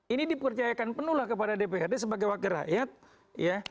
ini dipercayakan penuh lah kepada dprd sebagai wakil rakyat ya